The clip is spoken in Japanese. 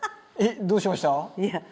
「えっどうしました？」